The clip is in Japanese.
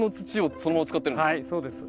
はいそうです。